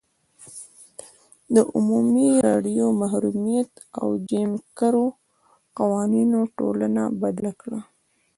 د عمومي رایو محرومیت او جیم کرو قوانینو ټولنه بدله کړه.